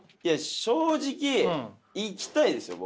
正直行きたいですよ